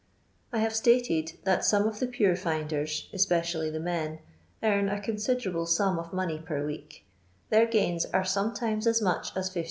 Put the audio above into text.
I have stated that some of the pure finders, especially the men, earn a conbiderable sum of money per week ; their gains are sometimes as mach as 15«.